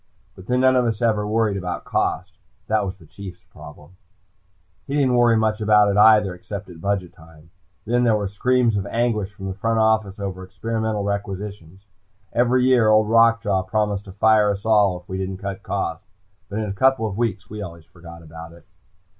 But then none of us ever worried about cost. That was the Chief's problem. He didn't worry much about it either, except at budget time. Then there were screams of anguish from the front office over experimental requisitions. Every year, Old Rock Jaw promised to fire us all, if we didn't cut costs, but in a couple of weeks we always forgot about it.